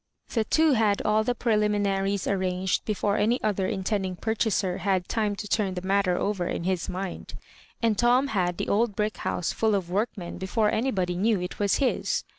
The two had all the preliminaries arranged before any other intending purchaser had time to turn the mat ter over in his mind. And Tom had the old brick house full of workmen before anybody knew it was his.